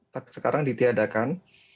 tapi sekarang ditiadakan